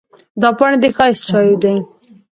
دا پاڼې د ښایسته چایو دي.